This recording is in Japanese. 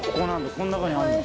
この中にあるの？